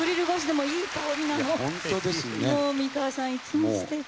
もう美川さんいつもすてき。